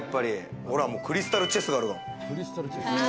ほら、もうクリスタルチェスがあるもん。